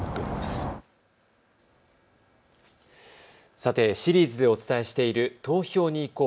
さて、シリーズでお伝えしている選挙に行こう！